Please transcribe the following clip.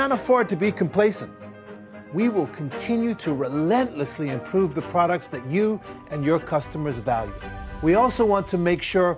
nó bình ổn được đường máu